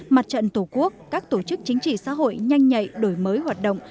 mặt trận tổ quốc các tổ chức chính trị xã hội nhanh nhạy đổi mới hoạt động